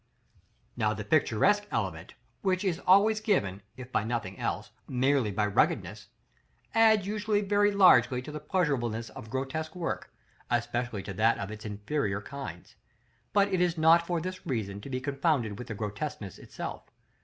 § XXXVII. Now this picturesque element, which is always given, if by nothing else, merely by ruggedness, adds usually very largely to the pleasurableness of grotesque work, especially to that of its inferior kinds; but it is not for this reason to be confounded with the grotesqueness itself.